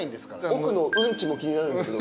奥のウンチも気になるんだけど。